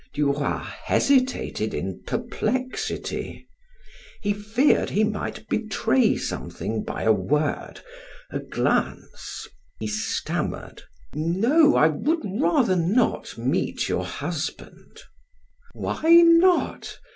Duroy hesitated in perplexity; he feared he might betray something by a word, a glance. He stammered: "No, I would rather not meet your husband." "Why not?